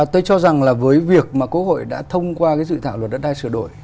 tôi cho rằng là với việc mà quốc hội đã thông qua dự thảo luật đất đai sửa đổi